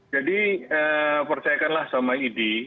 jadi percayakanlah sama idi